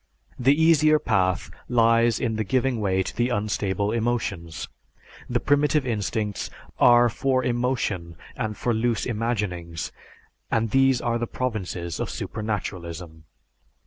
The easier path lies in the giving way to the unstable emotions. The primitive instincts are for emotion and for loose imaginings, and these are the provinces of supernaturalism.